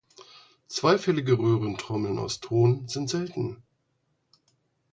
Zweifellige Röhrentrommeln aus Ton sind selten.